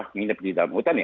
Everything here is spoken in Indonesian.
mengidap di dalam hutan ya